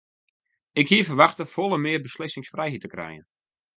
Ik hie ferwachte folle mear beslissingsfrijheid te krijen.